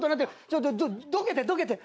ちょっとどけてどけて。